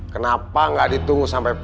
kenapa gak ditunggu sampai pagi